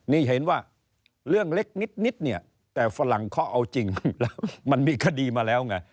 นี่เห็นว่าเรื่องเล็กนิดเนี่ยแต่ฝรั่งเขาเอาจริงแล้วมันมีคดีมาแล้วไง